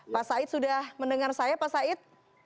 pak said sudah mendengar saya pak said